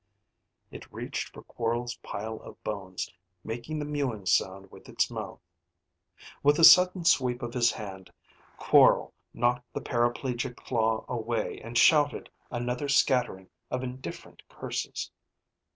It reached for Quorl's pile of bones, making the mewing sound with its mouth. With a sudden sweep of his hand, Quorl knocked the paraplegic claw away and shouted another scattering of indifferent curses.